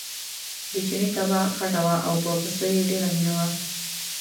د چیني طبعه خټه وه او په پسه یې ډېره مینه وه.